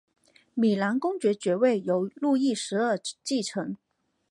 米兰公爵爵位由路易十二继承。